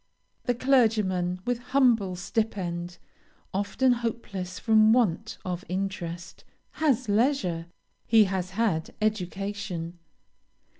The clergyman, with humble stipend, often hopeless from want of interest, has leisure he has had education.